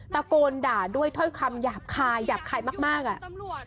ตะโกนด่าด้วยถ้อยคำหยาบคายหยาบคายมากอ่ะ